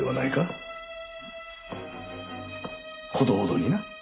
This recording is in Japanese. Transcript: ほどほどにな